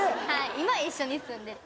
今一緒に住んでて。